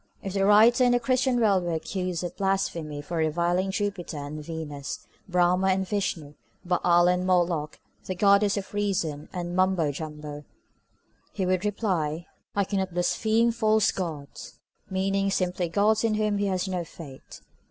If the writer in the Christian World were accused of blasphemy for reviling Jupiter and Venus, Brahma and Vishnu, Baal and Moloch, the Goddess of Reason and Mumbo Jumbo, he would reply, I cannot blaspheme false gods, meaning simply gods in whom he has no faith.